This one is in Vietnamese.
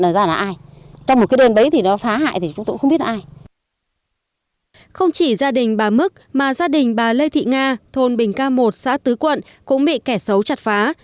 mà gia đình bà lê thị nga thôn bình ca một xã tứ quận cũng bị kẻ xấu chặt phá